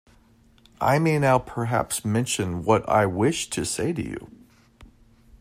I may now perhaps mention what I wished to say to you?